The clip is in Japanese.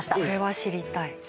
これは知りたい。